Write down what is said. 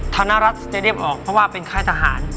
ธนรัฐจะเรียกออกเพราะว่าเป็นค่ายทหาร